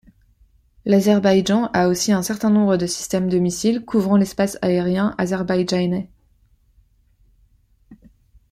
L'Azerbaïdjan a aussi un certain nombre de systèmes de missiles couvrant l'espace aérien azerbaïdjanais.